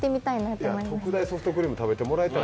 特大ソフトクリーム食べてもらいたい。